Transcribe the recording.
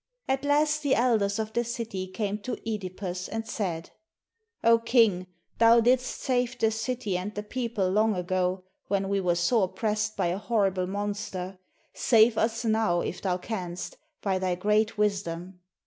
At last the elders of the city came to (Edipus and said, "O king, thou didst save the city and 8 THE STORY OF (EDIPUS the people long ago, when we were sore pressed by a horrible monster; save us now, if thou canst, by thy great wisdom."